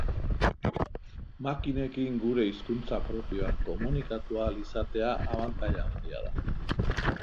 Makinekin gure hizkuntza propioan komunikatu ahal izatea abantaila handia da.